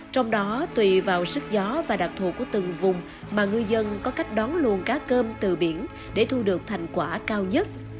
trong đó tùy vào sức gió và đặc thù của từng vùng mà ngư dân có cách đón luôn cá cơm từ biển để thu được thành quả cao nhất